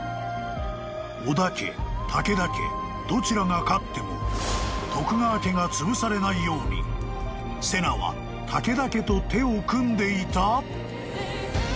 ［織田家武田家どちらが勝っても徳川家がつぶされないように瀬名は武田家と手を組んでいた？］